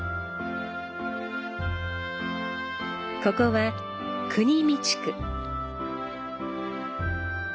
ここは国見地区。